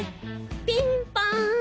ピンポーン！